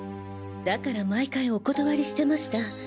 だから毎回お断りしてました。